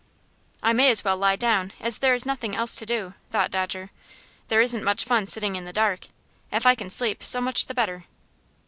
"I may as well lie down, as there is nothing else to do," thought Dodger. "There isn't much fun sitting in the dark. If I can sleep, so much the better."